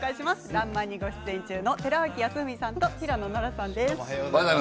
「らんまん」にご出演中の寺脇康文さんと平野ノラさんです。